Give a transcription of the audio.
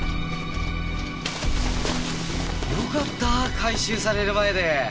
よかった回収される前で。